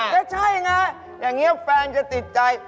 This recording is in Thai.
ก็ใช่ไงอย่างนี้แฟนจะติดใจ